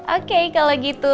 oke kalau gitu